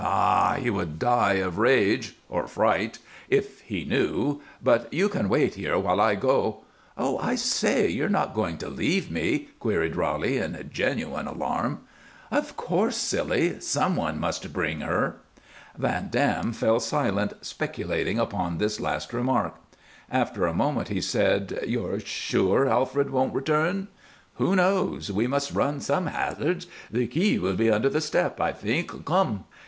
"Ah! He would die of rage or fright if he knew; but you can wait there while I go " "Oh, I say! You're not going to leave me?" queried Roly in genuine alarm. "Of course, silly! Some one must bring her." Van Dam fell silent, speculating upon this last remark. After a moment he said, "You're sure Alfred won't return?" "Who knows? We must run some hazards. The key will be under the step, I think. Come!"